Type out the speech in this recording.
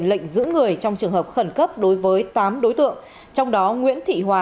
lệnh giữ người trong trường hợp khẩn cấp đối với tám đối tượng trong đó nguyễn thị hòa